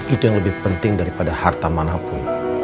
itu yang lebih penting daripada harta manapun